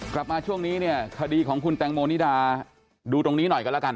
กลับมาช่วงนี้เนี่ยคดีของคุณแตงโมนิดาดูตรงนี้หน่อยกันแล้วกัน